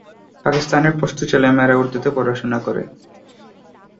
পাকিস্তানের পশতু ছেলেমেয়েরা উর্দুতে পড়াশোনা করে।